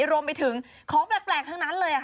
รวมไปถึงของแปลกทั้งนั้นเลย